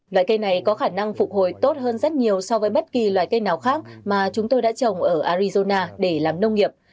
loại cây này có khả năng phục hồi tốt hơn rất nhiều so với bất kỳ loại cây nào khác mà chúng tôi đã trồng ở arizona để làm nông nghiệp